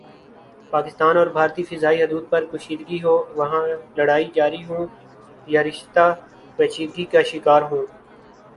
پاکستان اور بھارتی فضائی حدود پر کشیدگی ہو وہاں لڑائی جاری ہوں یا رشتہ پیچیدگی کا شکار ہوں